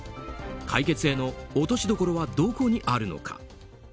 解決への落としどころはどこにあるのか。